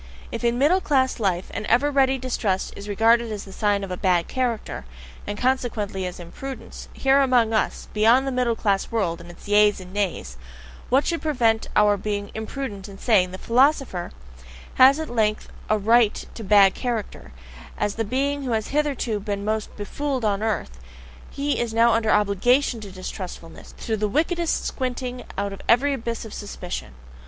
If in middle class life an ever ready distrust is regarded as the sign of a "bad character," and consequently as an imprudence, here among us, beyond the middle class world and its Yeas and Nays, what should prevent our being imprudent and saying: the philosopher has at length a RIGHT to "bad character," as the being who has hitherto been most befooled on earth he is now under OBLIGATION to distrustfulness, to the wickedest squinting out of every abyss of suspicion.